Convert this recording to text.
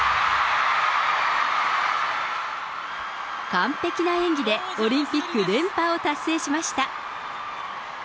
完璧な演技で、オリンピック連覇を達成しました。